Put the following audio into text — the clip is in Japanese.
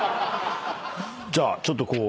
じゃあちょっとこう。